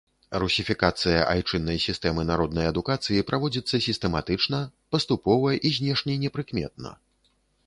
Русіфікацыя айчыннай сістэмы народнай адукацыі праводзіцца сістэматычна, паступова і знешне непрыкметна.